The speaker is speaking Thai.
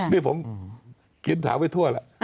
นี่ผมกินถามไปทั่วแล้ว